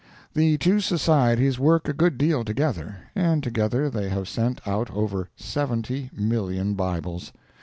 The two Societies work a good deal together, and together they have sent out over 70,000,000 Bibles!